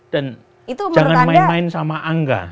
dan jangan main main sama angka